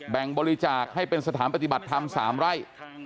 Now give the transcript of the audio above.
แบ่งบริจาคให้เป็นสถานปฏิบัติธรรม๓ไร่